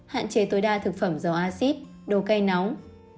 hạn chế tối đa thực phẩm dầu acid đồ cây nóng